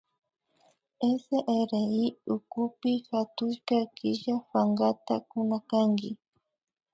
SRI ukupi hatushka killa pankata kunakanki